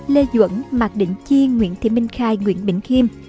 lê duẩn mạc định chi nguyễn thị minh khai nguyễn bình kim